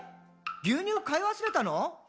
牛乳買い忘れたの？」